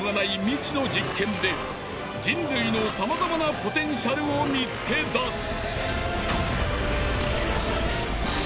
未知の実験で人類のさまざまなポテンシャルを見つけ出す